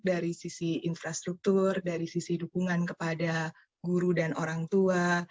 dari sisi infrastruktur dari sisi dukungan kepada guru dan orang tua